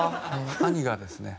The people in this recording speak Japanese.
兄がですね